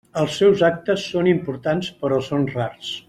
Els seus actes són importants, però són rars.